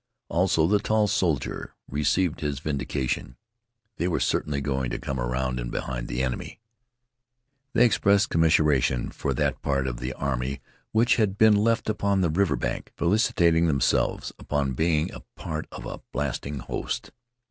Also, the tall soldier received his vindication. They were certainly going to come around in behind the enemy. They expressed commiseration for that part of the army which had been left upon the river bank, felicitating themselves upon being a part of a blasting host.